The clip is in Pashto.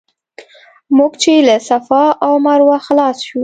موږ چې له صفا او مروه خلاص شو.